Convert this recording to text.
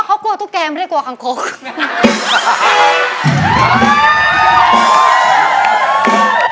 เขากลัวตุ๊กแกไม่ได้กลัวคังคก